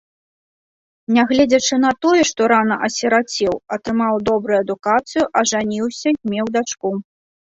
Нягледзячы на тое, што рана асірацеў, атрымаў добрую адукацыю, ажаніўся і меў дачку.